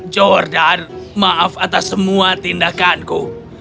jordan maaf atas semua tindakanku